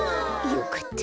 よかった。